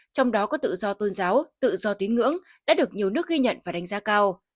trong đó có tự do tôn giáo tự do tín ngưỡng đã được nhiều nước ghi nhận và đánh giá cao